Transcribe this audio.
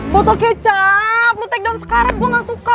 botol kecap lu take down sekarang gue gak suka